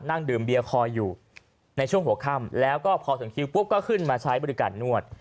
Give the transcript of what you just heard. นั่งดื่มเบียร์คอยอยู่ในช่วงหัวค่ำแล้วก็พอถึงคิวปุ๊บก็ขึ้นมาใช้บริการนวด